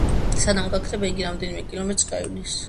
სანამ გაქრება, იგი რამდენიმე კილომეტრს გაივლის.